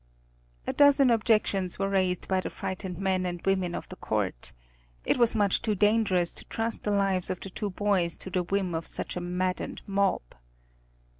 A dozen objections were raised by the frightened men and women of the court. It was much too dangerous to trust the lives of the two boys to the whim of such a maddened mob.